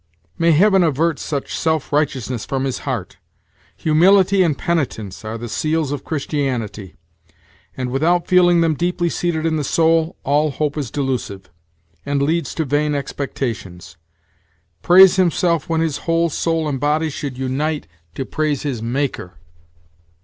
"May heaven avert such self righteousness from his heart! Humility and penitence are the seals of Christianity; and, without feeling them deeply seated in the soul, all hope is delusive, and leads to vain expectations. Praise himself when his whole soul and body should unite to praise his Maker!